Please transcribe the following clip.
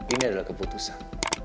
ini adalah keputusan